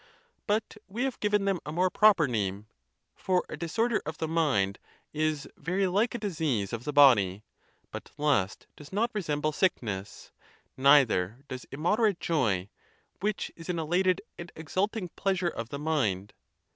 But we have given them a more proper name; for a disorder of the mind is very like a disease of the body. But lust does not resemble sickness; neither does immoderate joy, which is an elated and exulting pleas ure of the mind.